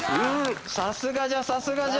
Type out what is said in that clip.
さすがじゃさすがじゃ。